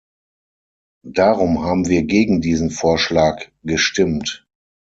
Darum haben wir gegen diesen Vorschlag gestimmt.